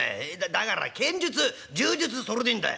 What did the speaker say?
だから剣術柔術それでいいんだい」。